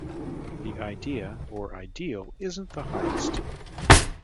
The idea, or ideal, isn't the highest.